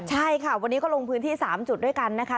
ใช่ค่ะวันนี้ก็ลงพื้นที่๓จุดด้วยกันนะคะ